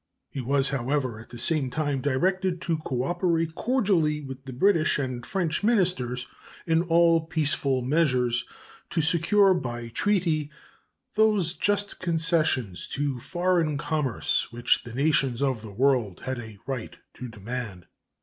He was, however, at the same time directed to cooperate cordially with the British and French ministers in all peaceful measures to secure by treaty those just concessions to foreign commerce which the nations of the world had a right to demand.